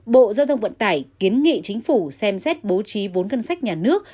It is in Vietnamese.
bộ giao thông vận tải kiến nghị chính phủ xem xét bố trí vốn ngân sách nhà nước